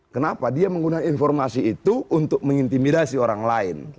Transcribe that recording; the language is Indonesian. kenapa dia menggunakan informasi itu untuk mengintimidasi orang lain